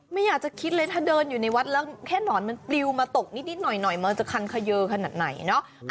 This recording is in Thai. ไม่อยากจะคิดเลยถ้าเดินอยู่ในวัดแล้วแค่หนอนมันปลิวมาตกนิดหน่อยมันจะคันเขยือขนาดไหนเนาะ